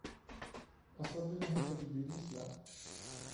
Og så ville han til de vildes land